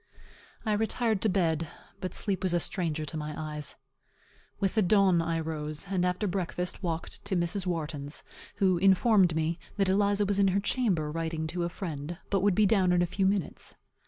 I retired to bed, but sleep was a stranger to my eyes. With the dawn I rose; and after breakfast walked to Mrs. Wharton's, who informed me, that Eliza was in her chamber, writing to a friend, but would be down in a few minutes.